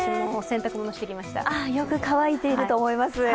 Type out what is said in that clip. よく乾いていると思います。